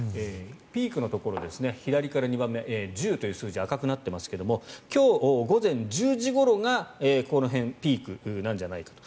ピークのところ左から２番目、１０という数字赤くなってますが今日午前１０時ごろがこの辺ピークなんじゃないかと。